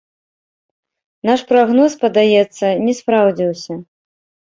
Наш прагноз, падаецца, не спраўдзіўся.